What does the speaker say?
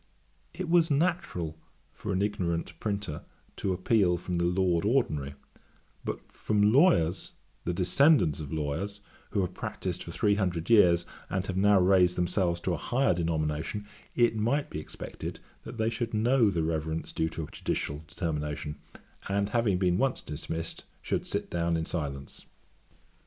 It was natural for an ignorant printer to appeal from the Lord Ordinary; but from lawyers, the descendants of lawyers, who have practised for three hundred years, and have now raised themselves to a higher denomination, it might be expected, that they should know the reverence due to a judicial determination; and, having been once dismissed, should sit down in silence.'